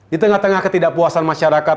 di tengah tengah ketidakpuasan masyarakat